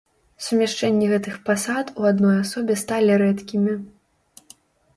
Сумяшчэнні гэтых пасад у адной асобе сталі рэдкімі.